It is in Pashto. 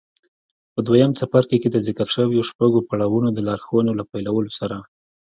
په دويم څپرکي کې د ذکر شويو شپږو پړاوونو د لارښوونو له پيلولو سره.